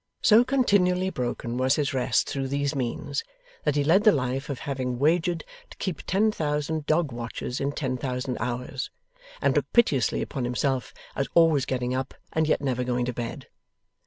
So continually broken was his rest through these means, that he led the life of having wagered to keep ten thousand dog watches in ten thousand hours, and looked piteously upon himself as always getting up and yet never going to bed.